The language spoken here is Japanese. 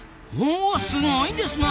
おすごいですなあ！